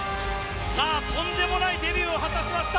とんでもないデビューを果たしました。